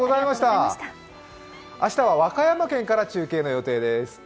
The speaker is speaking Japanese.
明日は和歌山県から中継の予定です。